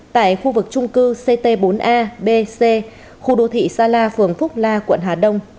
tại khu vực trung cư ct bốn abc khu đô thị sa la phường phúc la quận hà đông